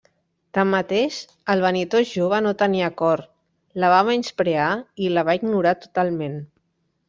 Tanmateix, el vanitós jove no tenia cor, la va menysprear i la va ignorar totalment.